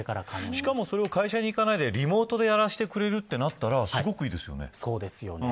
しかもそれを会社に行かないでリモートでやらせてくれるとなったらすごくいいですよね。